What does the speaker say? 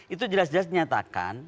itu jelas jelas menyatakan